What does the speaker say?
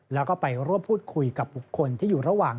แล้วก็ไปร่วมพูดคุยกับบุคคลที่อยู่ระหว่าง